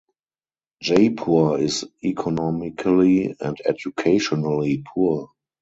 Jaipur is economically and educationally poor.